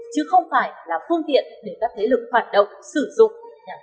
chứ không phải là phương tiện để các thế lực hoạt động sử dụng